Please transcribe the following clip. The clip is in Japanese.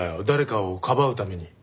誰かをかばうために。